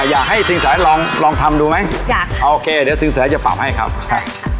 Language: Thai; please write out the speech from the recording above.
อยากให้ซึงแสลองลองทำดูไหมอยากค่ะโอเคเดี๋ยวซึงแสจะปรับให้เขาค่ะ